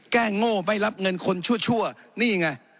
โง่ไม่รับเงินคนชั่วนี่ไง